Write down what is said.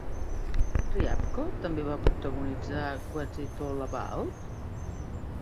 Riabko també va protagonitzar What's It All About?